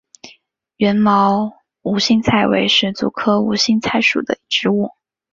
缘毛无心菜为石竹科无心菜属的植物。